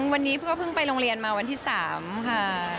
วันนี้เพิ่งไปโรงเรียนมาวันที่๓ค่ะ